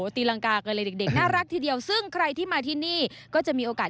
ตีรังกากันเลยเด็กน่ารักทีเดียวซึ่งใครที่มาที่นี่ก็จะมีโอกาส